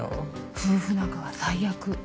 夫婦仲は最悪。